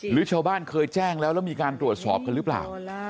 หรือชาวบ้านเคยแจ้งแล้วแล้วมีการตรวจสอบกันหรือเปล่า